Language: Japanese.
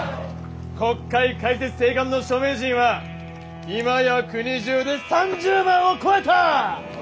国会開設請願の署名人は今や国中で３０万を超えた！